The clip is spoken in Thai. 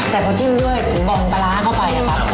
แต่พอจิ้มด้วยหูบองปลาร้าเข้าไปอะครับ